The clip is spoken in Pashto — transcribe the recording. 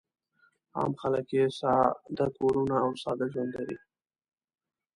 عام خلک یې ساده کورونه او ساده ژوند لري.